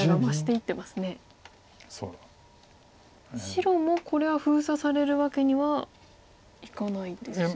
白もこれは封鎖されるわけにはいかないですよね。